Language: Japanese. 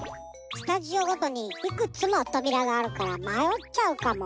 スタジオごとにいくつもとびらがあるからまよっちゃうかも。